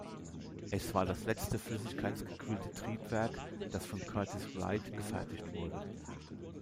Es war das letzte flüssigkeitsgekühlte Triebwerk, das von Curtiss-Wright gefertigt wurde.